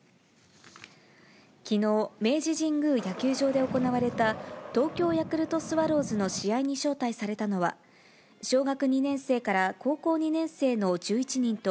きのう、明治神宮野球場で行われた東京ヤクルトスワローズの試合に招待されたのは、小学２年生から高校２年生の１１人と、